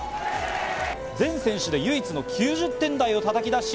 全選手で唯一の９０点台をたたきだし